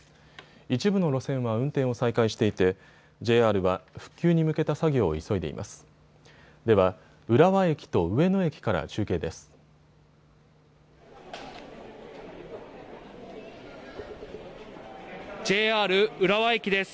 一部の路線は運転を再開していてＪＲは復旧に向けた作業を急いでいます。